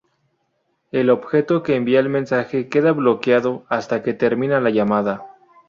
El objeto que envía el mensaje queda bloqueado hasta que termina la llamada.